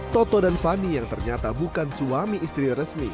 toto dan fani yang ternyata bukan suami istri resmi